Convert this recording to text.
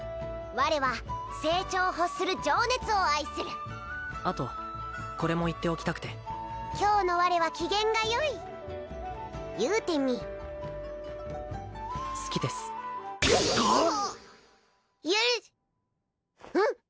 我は成長を欲する情熱を愛するあとこれも言っておきたくて今日の我は機嫌がよい言うてみい好きですあっ許すうん？